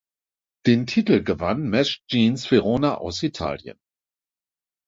Den Titel gewann Mash Jeans Verona aus Italien.